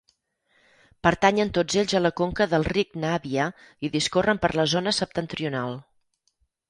Pertanyen tots ells a la conca del ric Navia i discorren per la zona septentrional.